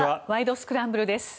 スクランブル」です。